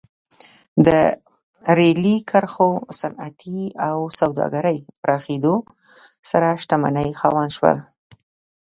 د ریلي کرښو، صنعت او سوداګرۍ پراخېدو سره شتمنۍ خاوندان شول.